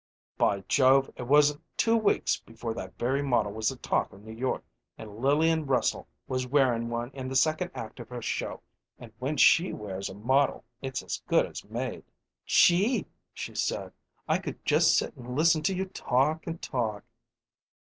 "By Jove! it wasn't two weeks before that very model was the talk of New York and Lillian Russell was wearin' one in the second act of her show; and when she wears a model it's as good as made." "Gee!" she said. "I could just sit and listen to you talk and talk."